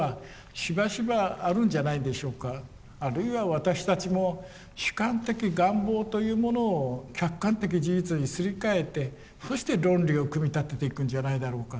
あるいは私たちも主観的願望というものを客観的事実にすり替えてそして論理を組み立てていくんじゃないだろうか。